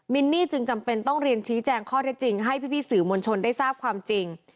นี่จึงจำเป็นต้องเรียนชี้แจงข้อเท็จจริงให้พี่สื่อมวลชนได้ทราบความจริง